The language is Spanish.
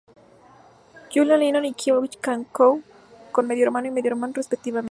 Julian Lennon y Kyoko Chan Cox son sus medio-hermano y medio-hermana respectivamente.